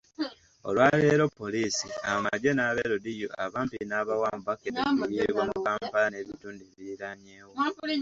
Olwaleero Poliisi, amagye n'aba LDU abampi n'abawanvu bakedde kuyiibwa mu Kampala n'ebitundu ebiriranyeewo.